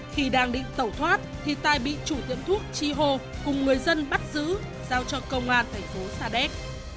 khi đang định tẩu thoát thì tài bị chủ tiệm thuốc chi hô cùng người dân bắt giữ giao cho công an thành phố sa đéc